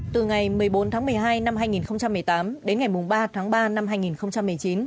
từ ngày một mươi bốn tháng một mươi hai năm hai nghìn một mươi tám đến ngày ba tháng ba năm hai nghìn một mươi chín